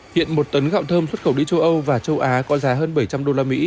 hiện một tấn gạo thơm xuất khẩu đi châu âu và châu á có giá hơn bảy trăm linh usd